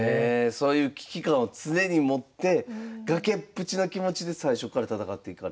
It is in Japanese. そういう危機感を常に持って崖っぷちの気持ちで最初っから戦っていかれたと。